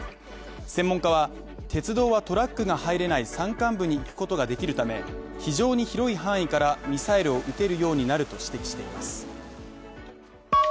専門家は鉄道はトラックが入れない山間部に行くことができるため非常に広い範囲からミサイルを撃てるようになると指摘しています。